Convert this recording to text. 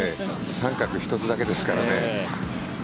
三角１つだけですからね。